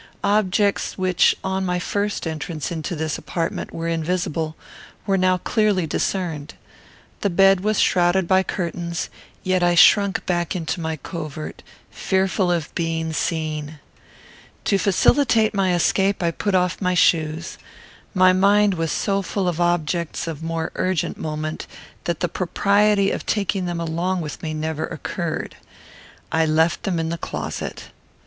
Objects which, on my first entrance into this apartment, were invisible, were now clearly discerned. The bed was shrouded by curtains, yet I shrunk back into my covert, fearful of being seen. To facilitate my escape, I put off my shoes. My mind was so full of objects of more urgent moment, that the propriety of taking them along with me never occurred. I left them in the closet.